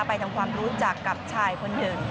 ไปทำความรู้จักกับชายคนหนึ่ง